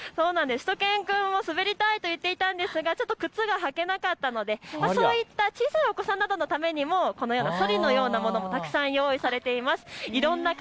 しゅと犬くんも滑りたいと言っていたんですが靴が履けなかったのでそういった小さいお子さんなどのためにもこのようなソリなども用意されているそうです。